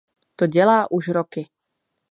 To dělá už roky.